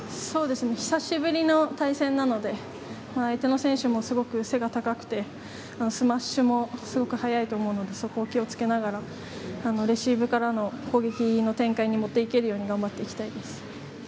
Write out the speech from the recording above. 久しぶりの対戦で相手選手もすごく背が高くてスマッシュもすごく速いと思うのでそこを気を付けながらレシーブからの攻撃の展開に持っていけるように頑張っていきたいです。